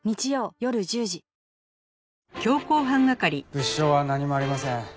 物証は何もありません。